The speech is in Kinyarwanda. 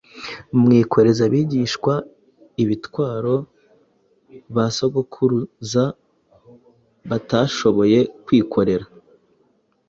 mwikoreza abigishwa imitwaro, ba sogokuruza batashoboye kwikorera,